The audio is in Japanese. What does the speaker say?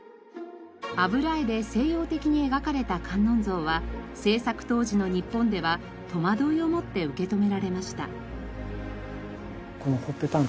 油絵で西洋的に描かれた観音像は制作当時の日本では戸惑いをもって受け止められました。